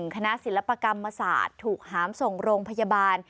คณะศิลปกรรมศาสตร์ถูกหามส่งโรงพยาบาล